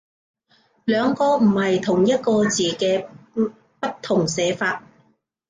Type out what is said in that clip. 兩個唔係同一個字嘅不同寫法